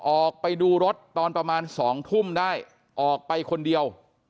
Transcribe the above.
ออกไปดูรถตอนประมาณ๒ทุ่มได้ออกไปคนเดียว